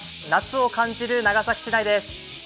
夏を感じる長崎市内です。